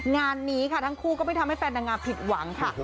งานนี้ค่ะทั้งคู่ก็ไม่ทำให้แฟนนางงามผิดหวังค่ะ